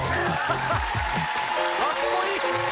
かっこいい。